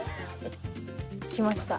きました。